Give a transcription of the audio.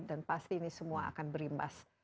dan pasti ini semua akan berimbas